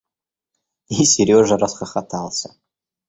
И Сережа расхохотался.